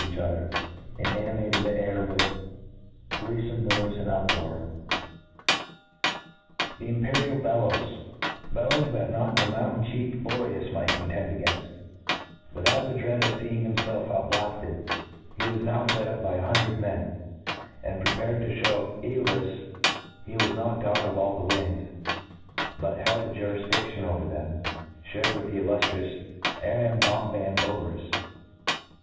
each other, and animated the air witk gleefome noife and uprbar, " The imperii bellows, bellows that npt the mountain cheeked Boreas might contend againftj^ without the dread of feeing himfclf out blafted, was now fet up by an hundred men, and prepa , red to Ihcw ^olus he was iM>t god of all the winds, but held a jurifdiftion over them, fhared with the illuftrious Arambombambc%erus.